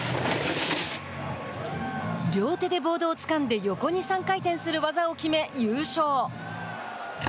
両手でボードをつかんで横に３回転する技を決め優勝。